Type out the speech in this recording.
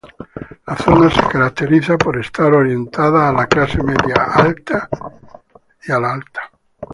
La zona se caracteriza por estar orientada a la clase media-alta y alta.